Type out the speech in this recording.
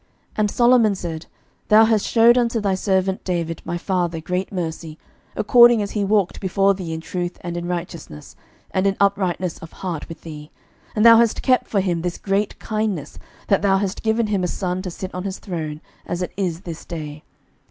11:003:006 And Solomon said, Thou hast shewed unto thy servant David my father great mercy, according as he walked before thee in truth, and in righteousness, and in uprightness of heart with thee; and thou hast kept for him this great kindness, that thou hast given him a son to sit on his throne, as it is this day.